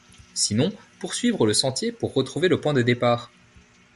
Sinon, poursuivre le sentier pour retrouver le point de départ.